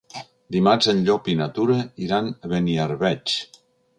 Dimarts en Llop i na Tura iran a Beniarbeig.